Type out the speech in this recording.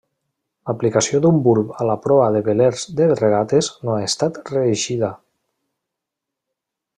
L'aplicació d'un bulb a la proa de velers de regates no ha estat reeixida.